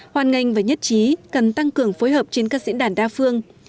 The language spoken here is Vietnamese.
hoàn ngành và nhất trí cần tăng cường phối hợp trên các diễn đàn đa phương